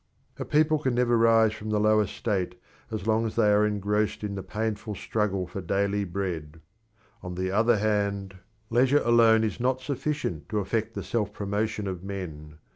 A people can never rise from low estate as long as they are engrossed in the painful struggle for daily bread. On the other hand, leisure alone is not sufficient to effect the self promotion of men.